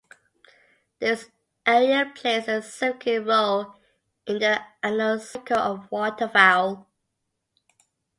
This area plays a significant role in the annual cycle of waterfowl.